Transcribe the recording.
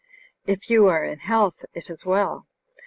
"If you are in health, it is well.